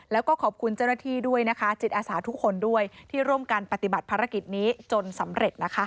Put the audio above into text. แล้วก็ขอบคุณเจ้าหน้าที่ด้วยนะคะจิตอาสาทุกคนด้วยที่ร่วมกันปฏิบัติภารกิจนี้จนสำเร็จนะคะ